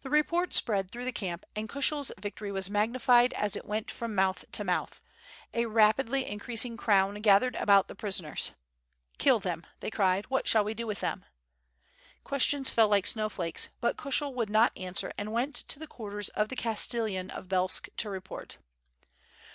The report spread through the camp, and Kushel's victory was magnified as it went from mouth to mouth; a rapidly increasing crown gathered about the pris oners. "Kill them," they cried, "what shall we do with them?" Questions fell like snowflakes, but Kushel would not answer and went to the quarters of the Castellan of Belsk to report.